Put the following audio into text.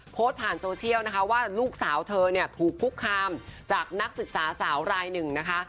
โพสต์ผ่านโซเชียลนะคะว่าลูกสาวเธอเนี่ยถูกคุกคามจากนักศึกษาสาวรายหนึ่งนะคะ